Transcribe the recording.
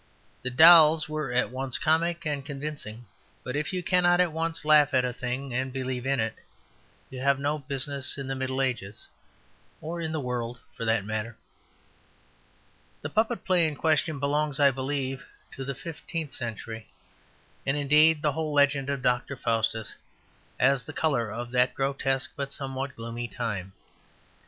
The dolls were at once comic and convincing; but if you cannot at once laugh at a thing and believe in it, you have no business in the Middle Ages. Or in the world, for that matter. The puppet play in question belongs, I believe, to the fifteenth century; and indeed the whole legend of Dr. Faustus has the colour of that grotesque but somewhat gloomy time.